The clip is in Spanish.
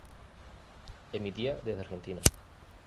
Emitía desde Argentina.